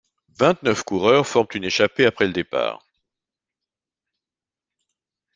Vingt-neuf coureurs forment une échappée après le départ.